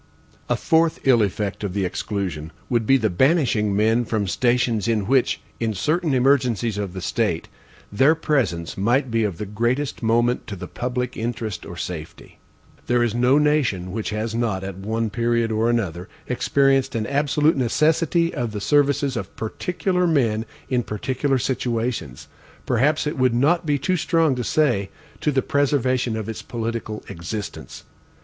A fourth ill effect of the exclusion would be the banishing men from stations in which, in certain emergencies of the state, their presence might be of the greatest moment to the public interest or safety. There is no nation which has not, at one period or another, experienced an absolute necessity of the services of particular men in particular situations; perhaps it would not be too strong to say, to the preservation of its political existence.